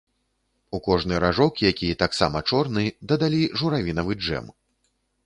У кожны ражок, які таксама чорны, дадалі журавінавы джэм.